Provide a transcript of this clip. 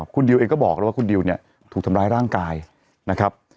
คุณดิวเองก็บอกแล้วว่าคุณดิวเนี่ยถูกทำร้ายร่างกายนะครับ